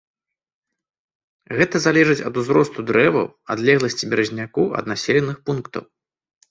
Гэта залежыць ад узросту дрэваў, адлегласці беразняку ад населеных пунктаў.